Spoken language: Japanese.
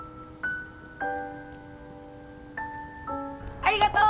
ありがとう！